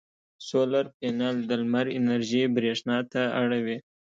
سولر پینل د لمر انرژي برېښنا ته اړوي.